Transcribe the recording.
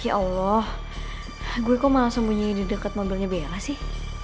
ya allah gue kok malah sembunyi di deket mobilnya bela sih